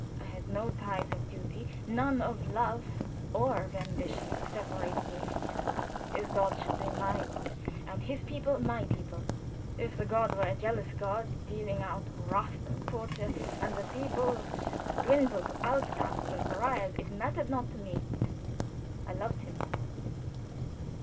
I had no ties of duty, none of love or of ambition to separate me from him; his God should be my God, and his people my people; if the God were a jealous God, dealing out wrath and terror, and the people should dwindle to outcasts and pariahs, it mattered not to me. I loved him.